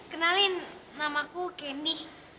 kenalin namaku candy